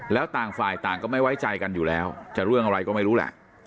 แล้วต่างฝ่ายต่างก็ไม่ไว้ใจกันอยู่แล้วจะเรื่องอะไรก็ไม่รู้แหละ